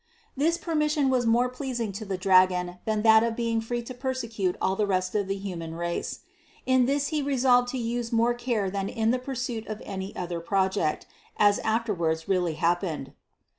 This permission was more pleasing to the dragon than that of being free to persecute all the rest of the human race. In this he resolved to use more care than in the pursuit of any other project, as after wards really happened.